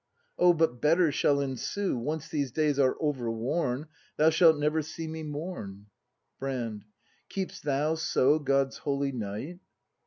Oh, but better shall ensue! Once these days are overworn. Thou shalt never see me mourn! Brand. Keep'st thou so God's holy Night?